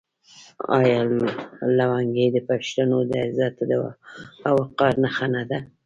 آیا لونګۍ د پښتنو د عزت او وقار نښه نه ده؟